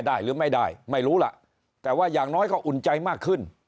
หรือไม่ได้ไม่รู้ล่ะแต่ว่าอย่างน้อยก็อุ่นใจมากขึ้น